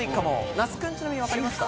那須君、ちなみに分かりました？